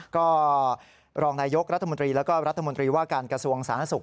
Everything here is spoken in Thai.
ก็รองนายกรัฐมนตรีแล้วก็รัฐมนตรีว่าการกระทรวงสาธารณสุข